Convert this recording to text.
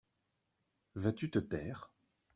Vas-tu te taire ?